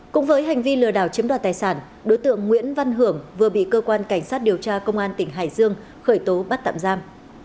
cũng với hành vi lừa đảo chiếm đoạt tài sản đối tượng nguyễn văn hưởng vừa bị cơ quan cảnh sát điều tra công an tỉnh hải dương khởi tố bắt tạm giam